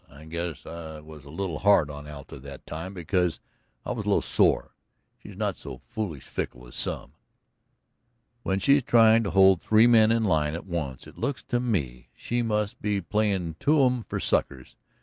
I guess I was a little hard on Alta that time, because I was a little sore. She's not so foolish fickle as some." "When she's trying to hold three men in line at once it looks to me she must be playin' two of 'em for suckers.